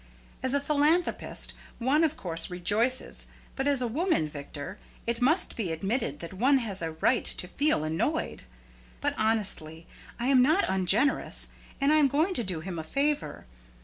As a philanthropist, one of course rejoices, but as a woman, Victor, it must be admitted that one has a right to feel annoyed. But, honestly, I am not ungenerous, and I am going to do him a favor.